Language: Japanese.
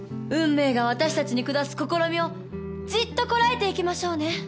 「運命が私たちに下す試みをじっとこらえていきましょうね」